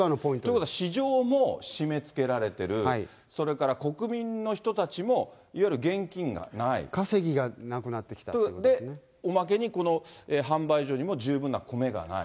ということは、市場も締めつけられてる、それから国民の人た稼ぎがなくなってきたというで、おまけにこの販売所にも十分なコメがない。